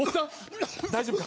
大丈夫か？